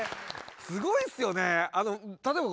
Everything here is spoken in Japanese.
すごいっすよね！